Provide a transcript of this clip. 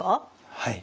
はい。